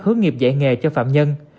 hướng nghiệp dạy nghề cho phạm nhân